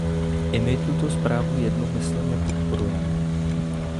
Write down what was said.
I my tuto zprávu jednomyslně podporujeme.